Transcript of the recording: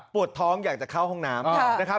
ท้องอยากจะเข้าห้องน้ำนะครับ